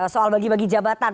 soal bagi bagi jabatan